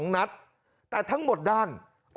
๒นัดแต่ทั้งหมดด้าน